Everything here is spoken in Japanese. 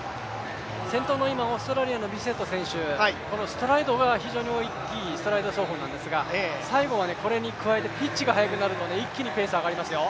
先頭のオーストラリアのビセット選手ストライドが非常に大きい、ストライド走法なんですが最後はこれに加えてピッチが速くなると気にペースが上がります。